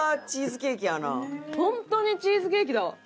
本当にチーズケーキだ！